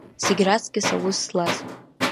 Зегь раҵкыс аус злаз…